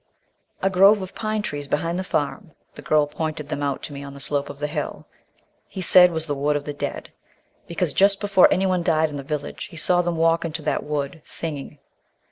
A grove of pine trees behind the farm the girl pointed them out to me on the slope of the hill he said was the Wood of the Dead, because just before anyone died in the village he saw them walk into that wood, singing.